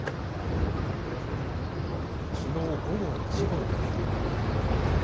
きのう午後２時ごろ。